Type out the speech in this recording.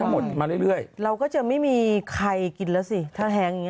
หมดมาเรื่อยเราก็จะไม่มีไข่กินละสิท่าแหง